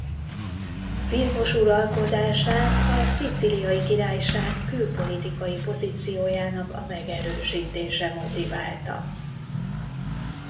Vilmos uralkodását a Szicíliai Királyság külpolitikai pozíciójának a megerősítése motiválta.